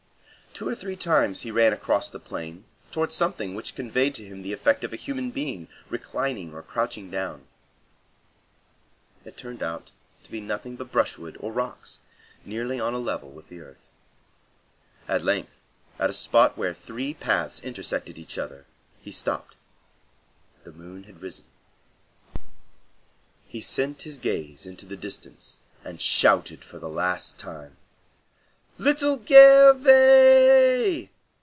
Two or three times he ran across the plain towards something which conveyed to him the effect of a human being reclining or crouching down; it turned out to be nothing but brushwood or rocks nearly on a level with the earth. At length, at a spot where three paths intersected each other, he stopped. The moon had risen. He sent his gaze into the distance and shouted for the last time, "Little Gervais!